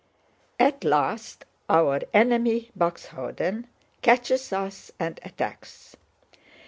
At last our enemy, Buxhöwden, catches us and attacks.